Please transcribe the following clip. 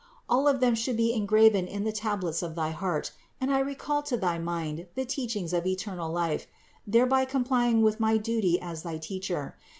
All of them should be engraven in the tablets of thy heart and I recall to thy mind the teachings of eternal life, THE INCARNATION 339 thereby complying with my duty as thy Teacher.